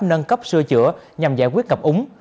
nâng cấp sưa chữa nhằm giải quyết ngập úng